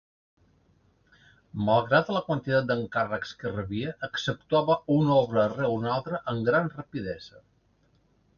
Malgrat la quantitat d'encàrrecs que rebia, executava una obra rere una altra amb gran rapidesa.